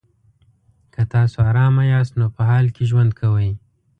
که تاسو ارامه یاست نو په حال کې ژوند کوئ.